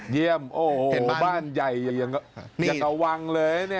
เยี่ยมโอ้โหบ้านใหญ่ยังกระวังเลยเนี่ย